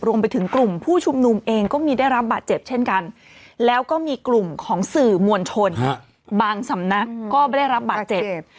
รวมไปถึงกลุ่มผู้ชุมนุมเองก็มีได้รับบาดเจ็บเช่นกันแล้วก็มีกลุ่มของสื่อมวลชนบางสำนักก็ไม่ได้รับบาดเจ็บ